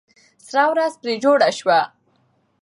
سره ورځ پرې جوړه سوه.